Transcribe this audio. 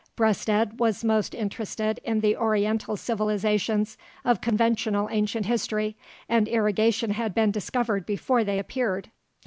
Breasted was most interested in the oriental civilizations of conventional ancient history, and irrigation had been discovered before they appeared.